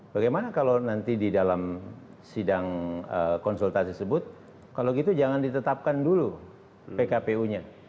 bagaimana kalau nanti di dalam sidang konsultasi sebut kalau gitu jangan ditetapkan dulu pkpu nya